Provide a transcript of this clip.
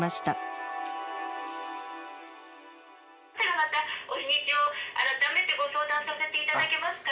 ではまたお日にちを改めてご相談させていただけますか？